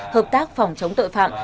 hợp tác phòng chống tội phạm